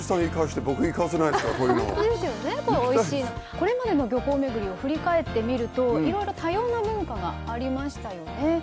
これまでの漁港巡りを振り返ってみるといろいろ多様な文化がありましたよね。